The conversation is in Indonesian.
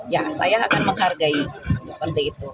ya saya akan menghargai seperti itu